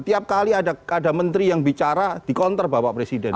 tiap kali ada menteri yang bicara dikonter pak presiden